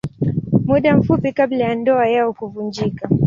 Muda mfupi kabla ya ndoa yao kuvunjika.